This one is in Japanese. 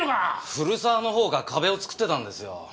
古沢のほうが壁を作ってたんですよ。